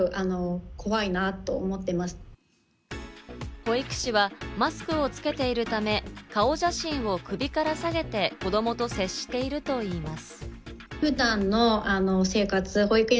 保育士はマスクをつけているため、顔写真を首から下げて子供と接しているといいます。